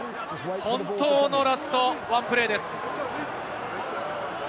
本当のラストワンプレーです。